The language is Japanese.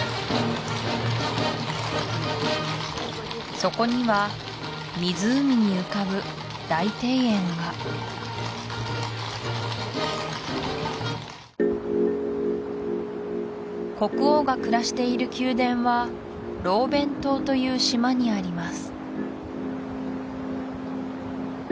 そこには国王が暮らしている宮殿はローベン島という島にあります